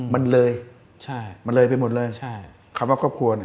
มันเลยในความว่าครอบครัว